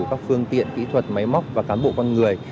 các phương tiện kỹ thuật máy móc và cán bộ con người